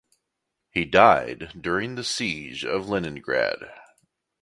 He died during the Siege of Leningrad.